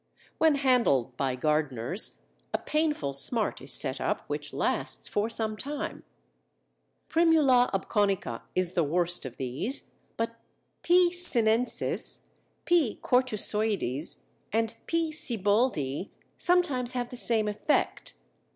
When handled by gardeners a painful smart is set up which lasts for some time. Primula obconica is the worst of these, but P. sinensis, P. cortusoides, and P. Sieboldii sometimes have the same effect.